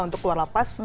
untuk keluar lapas